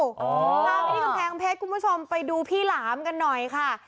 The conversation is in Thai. พาไปที่กำแพงเพชรคุณผู้ชมไปดูพี่หลามกันหน่อยค่ะ